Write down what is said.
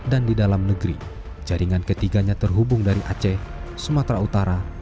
di dalam negeri jaringan ketiganya terhubung dari aceh sumatera utara